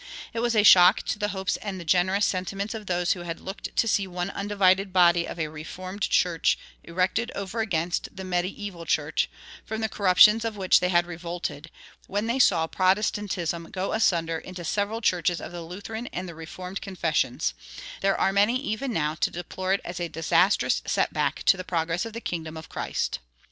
It was a shock to the hopes and the generous sentiments of those who had looked to see one undivided body of a reformed church erected over against the medieval church, from the corruptions of which they had revolted, when they saw Protestantism go asunder into the several churches of the Lutheran and the Reformed confessions; there are many even now to deplore it as a disastrous set back to the progress of the kingdom of Christ.